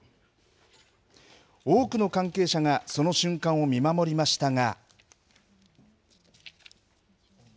多くの関係者が、その瞬間を見守りましたが。